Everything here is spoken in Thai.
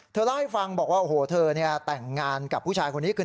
เล่าให้ฟังบอกว่าโอ้โหเธอเนี่ยแต่งงานกับผู้ชายคนนี้คือ